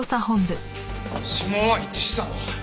指紋は一致したわ。